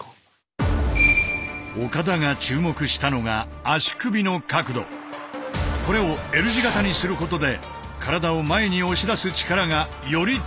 岡田が注目したのがこれをＬ字形にすることで体を前に押し出す力がより強くなるという。